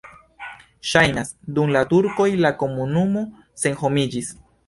Ŝajnas, dum la turkoj la komunumo senhomiĝis.